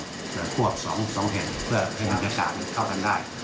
เหนือควบ๒มุม๒เห็นเพื่อให้บรรยากาศเข้ากันได้